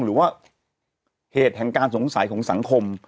หรือว่าเหตุแห่งการสงสัยของสังคม